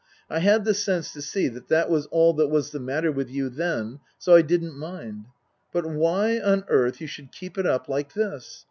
I had the sense to see that that was all that was the matter with you then, so I didn't mind. But why on earth you should keep it up like this